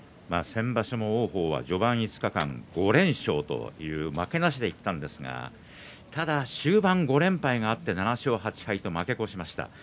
先場所も王鵬は序盤５日間５連勝という負けなしでいったんですがただ終盤５連敗があって７勝８敗と負け越しました。